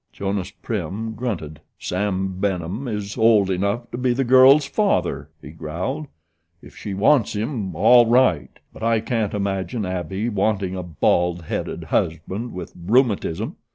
Jonas Prim grunted. "Sam Benham is old enough to be the girl's father," he growled. "If she wants him, all right; but I can't imagine Abbie wanting a bald headed husband with rheumatism.